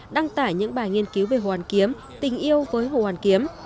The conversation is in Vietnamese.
đăng tải những bài nghiên cứu về hồ hoàn kiếm tình yêu với hồ hoàn kiếm